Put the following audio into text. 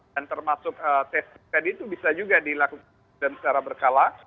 dan termasuk test test tadi itu bisa juga dilakukan secara berkala